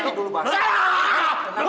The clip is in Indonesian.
tidur dulu abbas